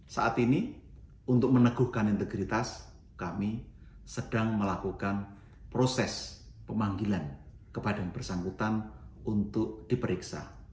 saat ini untuk meneguhkan integritas kami sedang melakukan proses pemanggilan kepada yang bersangkutan untuk diperiksa